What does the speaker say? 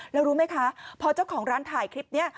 แล้วรู้ไหมคะพอเจ้าของร้านถ่ายคลิปนี้